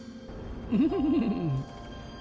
フフフ。